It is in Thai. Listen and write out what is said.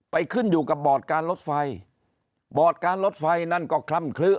ขึ้นอยู่กับบอร์ดการรถไฟบอร์ดการรถไฟนั่นก็คล่ำคลือ